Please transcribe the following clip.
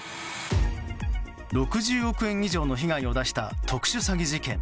６０億円以上の被害を出した特殊詐欺事件。